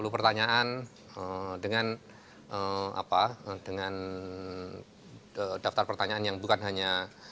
dua puluh pertanyaan dengan daftar pertanyaan yang bukan hanya